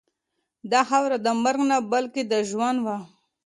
دا خاوره د مرګ نه بلکې د ژوند وه.